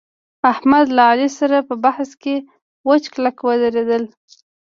احمد له علي سره په بحث کې وچ کلک ودرېدل